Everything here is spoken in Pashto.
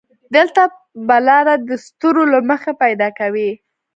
دلته به لاره د ستورو له مخې پيدا کوې.